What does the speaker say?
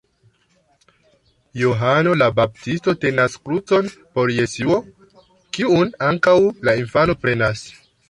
Johano la Baptisto tenas krucon por Jesuo, kiun ankaŭ la infano prenas.